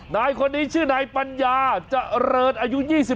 นายคนนี้ชื่อนายปัญญาเจริญอายุ๒๓